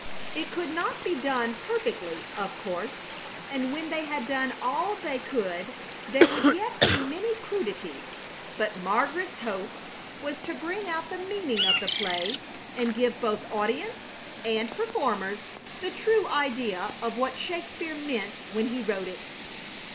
It could not be done perfectly, of course, and when they had done all they could there would yet be many crudities; but Margaret's hope was to bring out the meaning of the play and give both audience and performers the true idea of what Shakespeare meant when he wrote it.